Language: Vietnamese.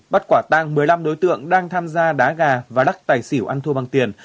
bắt quả tang một mươi năm đối tượng đang tham gia đá gà và lắc tài xỉu ăn thua bằng tiền